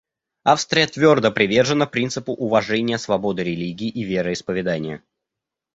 Австрия твердо привержена принципу уважения свободы религии и вероисповедания.